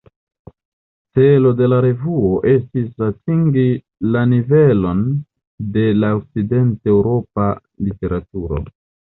Celo de la revuo estis atingi la nivelon de la okcident-Eŭropa literaturo.